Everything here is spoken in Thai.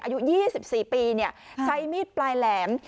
อายุ๒๔ปีใช้มีดปลายแหลม